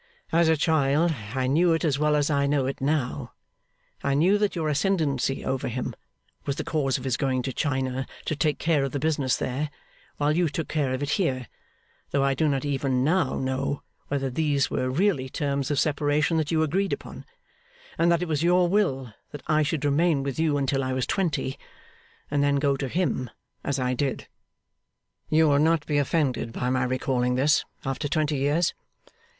As a child, I knew it as well as I know it now. I knew that your ascendancy over him was the cause of his going to China to take care of the business there, while you took care of it here (though I do not even now know whether these were really terms of separation that you agreed upon); and that it was your will that I should remain with you until I was twenty, and then go to him as I did. You will not be offended by my recalling this, after twenty years?